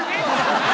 何？